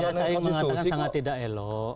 ya saya ingin mengatakan sangat tidak elok